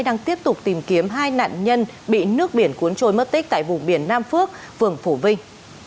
đang tiếp tục tìm kiếm hai nạn nhân bị nước biển cuốn trôi mất tích tại vùng biển nam phước phường phổ vinh